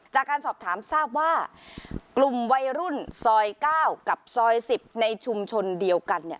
จากการสอบถามทราบว่ากลุ่มวัยรุ่นซอย๙กับซอย๑๐ในชุมชนเดียวกันเนี่ย